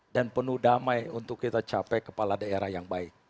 dan penuh damai untuk kita capai kepala daerah yang baik